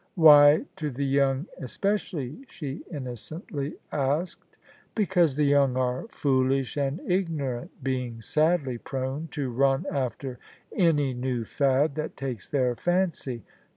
" Why to the young especially? " she innocently asked. " Because the young are foolish and ignorant, being sadly prone to run after any new fad that takes their fancy.